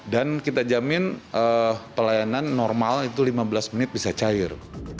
dan kita jamin pelayanan normal itu lima belas menit bisa cair